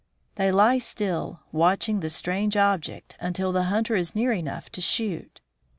They lie still, watch ing the strange object, until the hunter is near enough to shoot.